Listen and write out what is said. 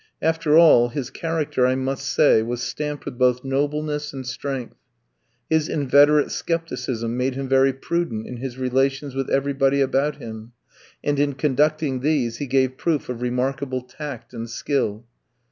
After all, his character, I must say, was stamped with both nobleness and strength. His inveterate scepticism made him very prudent in his relations with everybody about him, and in conducting these he gave proof of remarkable tact and skill.